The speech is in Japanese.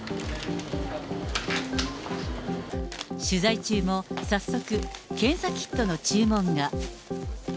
取材中も早速、検査キットの注文が。